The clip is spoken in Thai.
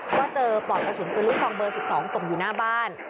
ก็เจอปลอกกระสุนปืนลูกซองเบอร์๑๒ตกอยู่หน้าบ้าน